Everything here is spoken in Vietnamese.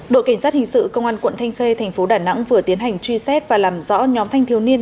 đội cảnh sát hình sự công an quận thanh khê thành phố đà nẵng vừa tiến hành truy xét và làm rõ nhóm thanh thiếu niên